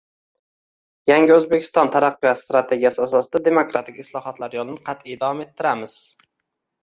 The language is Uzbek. Yangi O‘zbekiston taraqqiyot strategiyasi asosida demokratik islohotlar yo‘lini qat’iy davom ettiramizng